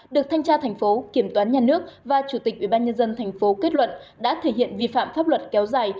được thanh tra thành phố kiểm toán nhà nước và chủ tịch ubnd tp kết luận đã thể hiện vi phạm pháp luật kéo dài